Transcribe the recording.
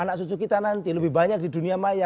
anak cucu kita nanti lebih banyak di dunia maya